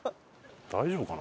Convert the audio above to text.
大丈夫かな？